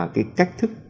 cái cách thức